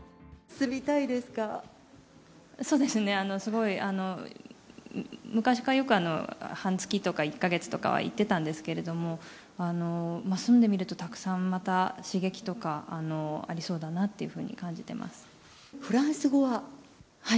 そうですね、すごい昔からよく半月とか１か月とかは行ってたんですけれども、住んでみると、たくさんまた刺激とかありそうだなっていうふうにフランス語は？